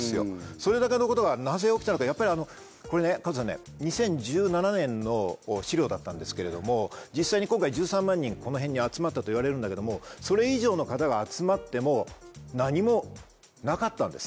それだけのことがなぜ起きたのかこれ加藤さんね２０１７年の資料だったんですけれども実際に今回１３万人がこの辺に集まったといわれるんだけどもそれ以上の方が集まっても何もなかったんです。